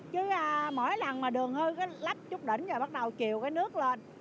chứ mỗi lần mà đường hơi lắp chút đỉnh rồi bắt đầu chiều cái nước lên